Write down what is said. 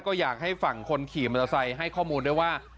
ก็อยากให้ฝั่งคนขี่มอเตอร์ไซค์ให้ข้อมูลด้วยว่า